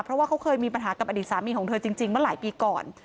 เพราะว่าเขาเคยมีปัญหากับอดีตสามีของเธอจริงเมื่อหลายปีก่อน